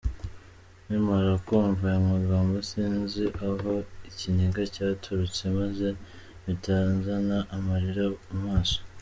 Nkimara kumva ayo magambo sinzi aho ikiniga cyaturutse maze mpita nzana amarira mu maso.